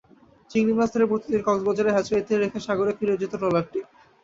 চিংড়ি মাছ ধরে প্রতিদিন কক্সবাজারের হ্যাচারিতে রেখে সাগরে ফিরে যেত ট্রলারটি।